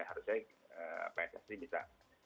harusnya pssi bisa